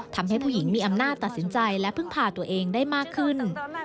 ทำให้ผู้หญิงมีอำนาจตัดสินใจและพึ่งพาตัวเองได้มากขึ้น